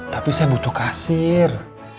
tapi saya butuh kasir